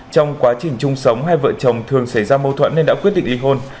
trong quá trình chung sống hai vợ chồng thường xảy ra mâu thuẫn nên đã quyết định ly hôn